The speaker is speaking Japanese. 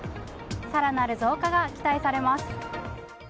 更なる増加が期待されます。